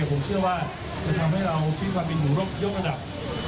แต่ผมเชื่อว่าจะทำให้เราชี้ความเป็นอยู่ยกระดับ